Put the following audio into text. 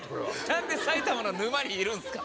何で埼玉の沼にいるんですか。